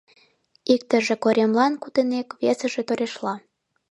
Иктыже коремлан кутынек, весыже торешла.